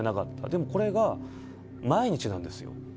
でもこれが毎日なんですよ。